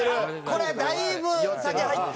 これはだいぶ酒入ってる。